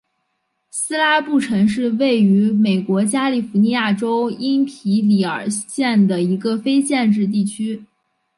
斯拉布城是位于美国加利福尼亚州因皮里尔县的一个非建制地区。